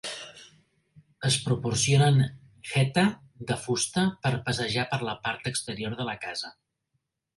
Es proporcionen "geta" de fusta per a passejar per la part exterior de la casa.